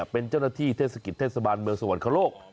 เป็นเจ้าหน้าที่เทศกิจเทศบาลเมืองสวรรคโลก